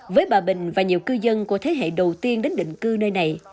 với bà bình và nhiều cư dân của thế hệ đầu tiên đến định cư nơi này